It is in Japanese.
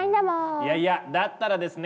いやいやだったらですね